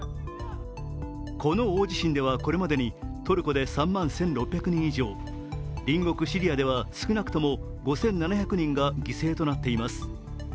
この大地震ではこれまでにトルコで３万１６００人以上隣国シリアでは少なくとも５７００人が犠牲となっています。